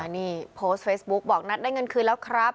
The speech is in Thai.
นี่โพสต์เฟซบุ๊กบอกนัดได้เงินคืนแล้วครับ